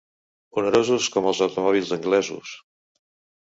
Onerosos com els automòbils anglesos.